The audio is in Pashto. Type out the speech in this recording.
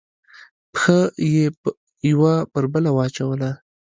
پښه یې یوه پر بله واچوله.